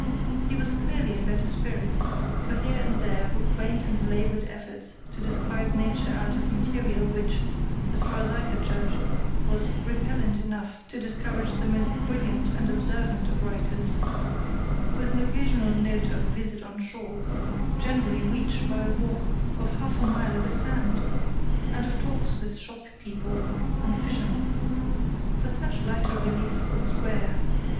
He was clearly in better spirits, for here and there were quaint and laboured efforts to describe nature out of material which, as far as I could judge, was repellent enough to discourage the most brilliant and observant of writers; with an occasional note of a visit on shore, generally reached by a walk of half a mile over sand, and of talks with shop people and fishermen. But such lighter relief was rare.